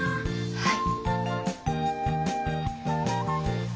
はい！